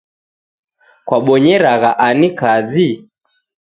Kwabonyeragha ani kazi